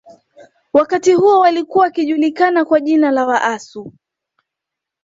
Wakati huo walikuwa wakijulikana kwa jina la Waasu